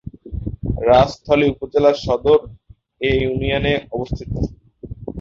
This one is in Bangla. রাজস্থলী উপজেলা সদর এ ইউনিয়নে অবস্থিত।